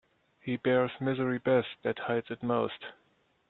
He bears misery best that hides it most.